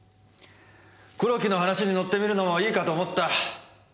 黒木の話に乗ってみるのもいいかと思った。